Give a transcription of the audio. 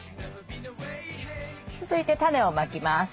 続いてタネをまきます。